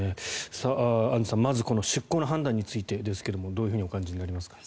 アンジュさん、まずこの出航の判断についてですがどうお感じになりますか？